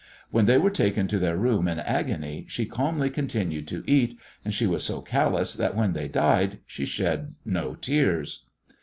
When they were taken to their room in agony she calmly continued to eat, and she was so callous that when they died she shed no tears.